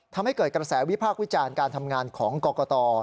ทำให้เกิดกระแสวิพากษ์วิจารณ์การทำงานของกรกต